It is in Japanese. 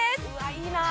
いいなあ。